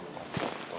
masih banyak kotor